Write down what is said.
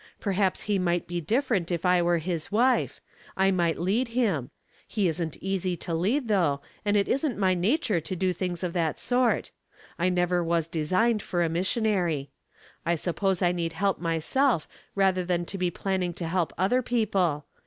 Perhaps he might be different if I were his wife. I might lead him. He isn't easy to lead, though, and it isn't my nature to do things of that sort. I never was designed for a missionary. I suppose I need help myself rather than to be planning to help other people.